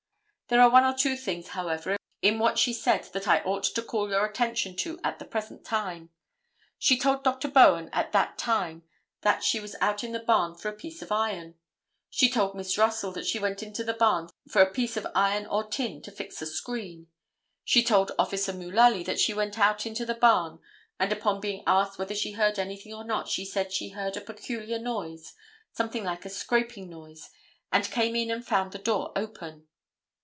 There are one or two things, however, in what she said that I ought to call your attention to at the present time. She told Dr. Bowen at that time that she was out in the barn for a piece of iron; she told Miss Russell that she went into the barn for a piece of iron or tin to fix a screen; she told Officer Mullaly that she went out into the barn, and upon being asked whether she heard anything or not, she said she heard a peculiar noise, something like a scraping noise, and came in and found the door open.